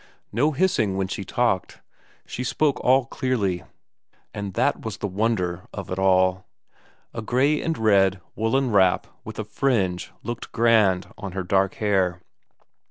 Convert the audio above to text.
No hissing when she talked; she spoke all clearly, and that was the wonder of it all. A grey and red woollen wrap with a fringe looked grand on her dark hair.